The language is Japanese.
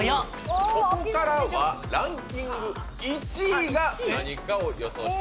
ここからはランキング１位が何かを予想してください。